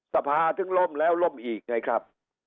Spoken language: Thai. สภาถึงล่มแล้วล่มอีกไงครับ